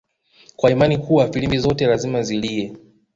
kwa imani kuwa filimbi zote lazima zilie